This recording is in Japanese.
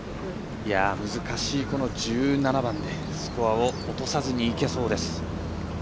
難しい１７番でスコアを落とさずにいけそうです。